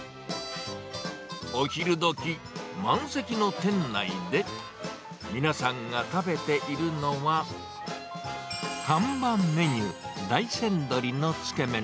お昼どき、満席の店内で、皆さんが食べているのは、看板メニュー、大山鶏のつけめん。